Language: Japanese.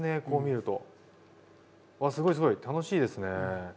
こう見ると。わすごいすごい楽しいですね。